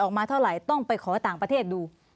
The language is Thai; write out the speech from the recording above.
ออกมาเท่าไหร่ต้องไปขอต่างประเทศดู